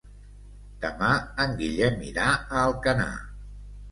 Demà en Guillem irà a Alcanar.